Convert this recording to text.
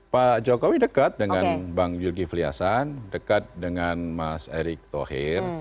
pak jokowi dekat dengan bang zulkifli hasan dekat dengan mas erick thohir